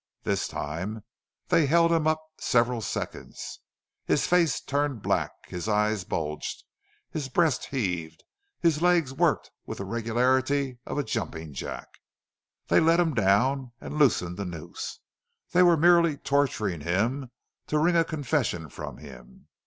This time they held him up several seconds. His face turned black. His eyes bulged. His breast heaved. His legs worked with the regularity of a jumping jack. They let him down and loosened the noose. They were merely torturing him to wring a confession from him.